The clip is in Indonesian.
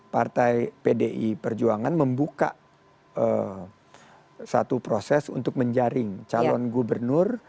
partai pdi perjuangan membuka satu proses untuk menjaring calon gubernur